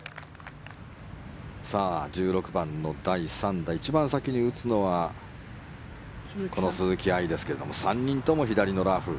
１６番の第３打一番先に打つのはこの鈴木愛ですが３人とも左のラフ。